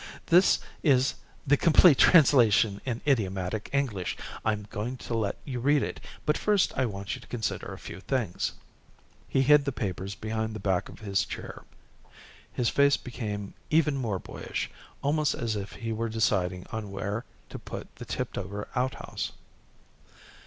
"This is the complete translation in idiomatic English. I'm going to let you read it, but first I want you to consider a few things." He hid the papers behind the back of his chair; his face became even more boyish, almost as if he were deciding on where to put the tipped over outhouse.